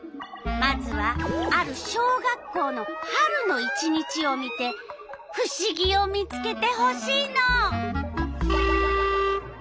まずはある小学校の春の１日を見てふしぎを見つけてほしいの。